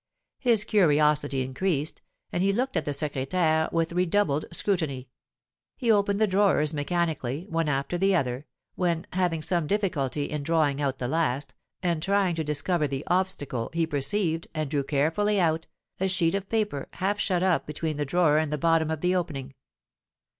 His curiosity increased, and he looked at the secrétaire with redoubled scrutiny; he opened the drawers mechanically, one after the other, when, having some difficulty in drawing out the last, and trying to discover the obstacle, he perceived, and drew carefully out, a sheet of paper, half shut up between the drawer and the bottom of the opening.